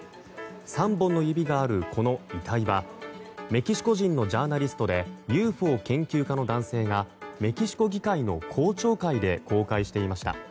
３本の指がある、この遺体はメキシコ人のジャーナリストでＵＦＯ研究家の男性がメキシコ議会の公聴会で公開していました。